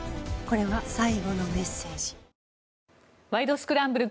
スクランブル」